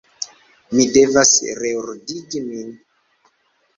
Mi devas reordigi min.